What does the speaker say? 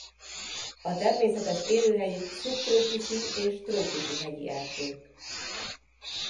A természetes élőhelyük szubtrópusi és trópusi hegyi erdők.